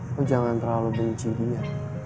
aku jangan terlalu benci dia